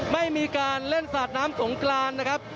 ไม่มีการเล่นสาดน้ำสงกรานนะครับ